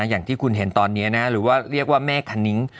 อย่างที่คุณเห็นตอนนี้นะหรือว่าเรียกว่าแม่คณิ้ง